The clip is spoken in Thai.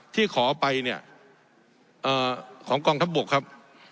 ที่ขอไปเนี่ยของกองทัพบกครับ